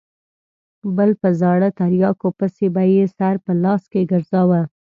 بل په زاړه تریاکو پسې به یې سر په لاس کې ګرځاوه.